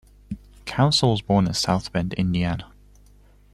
Counsell was born in South Bend, Indiana.